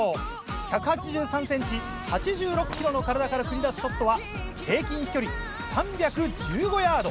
１８３ｃｍ８６ｋｇの体から繰り出すショットは平均飛距離３１５ヤード。